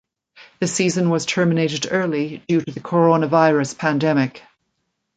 The season was terminated early due to the coronavirus pandemic.